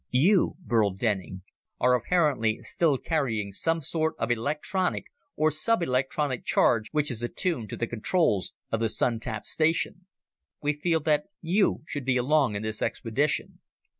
"You, Burl Denning, are apparently still carrying some sort of electronic or subelectronic charge which is attuned to the controls of the Sun tap station. We feel that you should be along on this expedition.